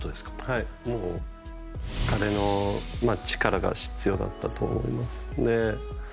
はい彼の力が必要だったと思います。